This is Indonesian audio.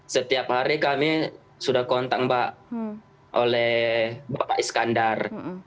setiap hari kami sudah kontak mbak oleh bapak iskandar